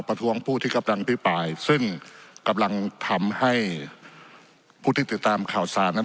ประท้วงผู้ที่กำลังพิปรายซึ่งกำลังทำให้ผู้ที่ติดตามข่าวสารนั้น